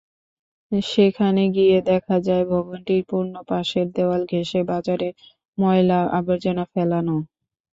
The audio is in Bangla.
সেখানে গিয়ে দেখা যায়, ভবনটির পূর্ব পাশের দেয়াল ঘেঁষে বাজারের ময়লা-আবর্জনা ফেলানো।